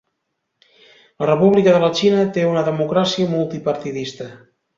La República de la Xina té una democràcia multipartidista.